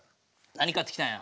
何買ってきたんや？